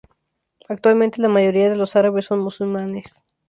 Actualmente, la mayoría de los árabes son musulmanes.